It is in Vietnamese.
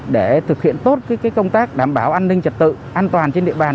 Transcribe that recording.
để thực hiện tốt công tác đảm bảo an ninh trật tự an toàn trên địa bàn